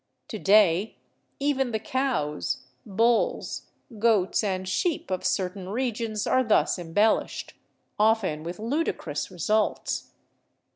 To day even the cows, bulls, goats, and sheep of certain regions are thus embellished — often with ludicrous results.